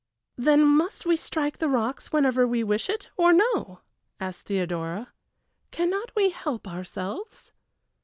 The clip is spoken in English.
"Then must we strike the rocks whether we wish it or no?" asked Theodora. "Cannot we help ourselves?"